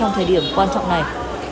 trong thời điểm quan trọng này